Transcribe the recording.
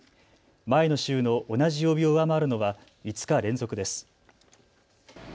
前の週の同じ曜日を上回るのは５日連続です。